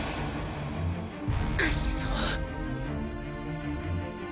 クッソォ！